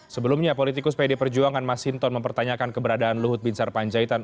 sebelumnya politikus pd perjuangan masinton mempertanyakan keberadaan luhut bin sarpanjaitan